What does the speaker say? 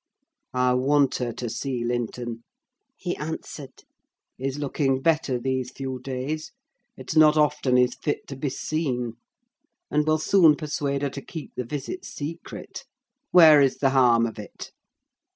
"I want her to see Linton," he answered; "he's looking better these few days; it's not often he's fit to be seen. And we'll soon persuade her to keep the visit secret: where is the harm of it?"